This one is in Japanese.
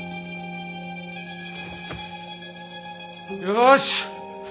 よし！